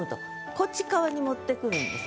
こっち側に持ってくるんです。